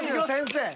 先生。